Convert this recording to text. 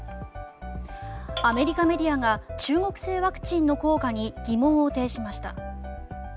アメリカメディアが中国製ワクチンの効果に疑問を呈しました。